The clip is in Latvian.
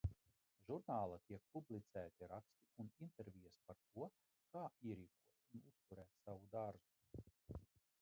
Žurnālā tiek publicēti raksti un intervijas par to, kā ierīkot un uzturēt savu dārzu.